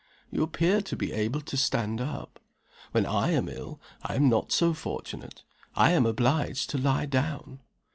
"You appear to be able to stand up. When I am ill, I am not so fortunate. I am obliged to lie down."